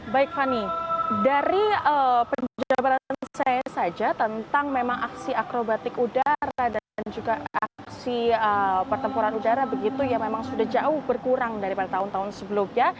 baik fani dari penjelasan saya saja tentang memang aksi akrobatik udara dan juga aksi pertempuran udara begitu yang memang sudah jauh berkurang daripada tahun tahun sebelumnya